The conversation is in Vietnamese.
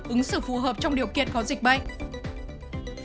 ứng xử phù hợp trong điều kiện có dịch bệnh